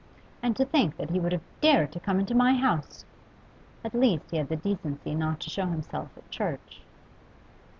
And to think that he would have dared to come into my house! At least he had the decency not to show himself at church.